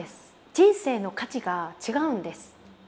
人生の価値が違うんです。